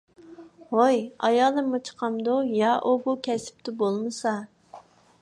ھوي، ئايالىممۇ چىقامدۇ؟ يا ئۇ بۇ كەسىپتە بولمىسا.